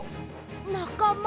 なかま。